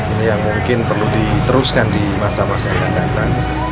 ini yang mungkin perlu diteruskan di masa masa yang akan datang